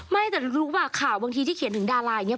ไม่แต่รู้ป่ะข่าวบางทีที่เขียนถึงดาราอย่างนี้